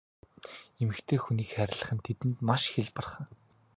Эмэгтэй хүнийг хайрлах нь тэдэнд маш хялбархан.